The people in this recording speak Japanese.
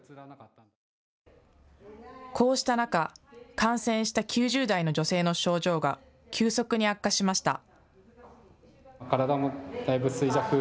こうした中、感染した９０代の女性の症状が急速に悪化しました。